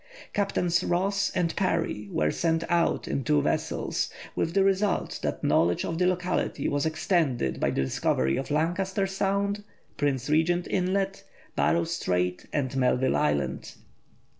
Captains Ross and Parry were sent out in two vessels, with the result that knowledge of the locality was extended by the discovery of Lancaster Sound, Prince Regent Inlet, Barrow Strait, and Melville Island.